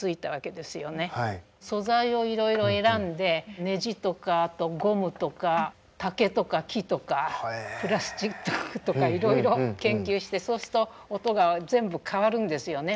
素材をいろいろ選んでネジとかあとゴムとか竹とか木とかプラスチックとかいろいろ研究してそうすると音が全部変わるんですよね。